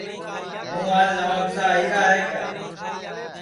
توں آج نوابشاہ آئیرا ہے کیا